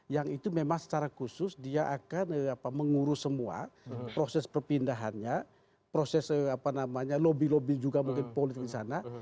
yang itu memang secara khusus dia akan mengurus semua proses perpindahannya proses lobby lobby juga mungkin politik di sana